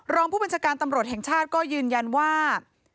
รองผู้บัญชาการตำรวจแห่งชาติก็ยืนยันว่า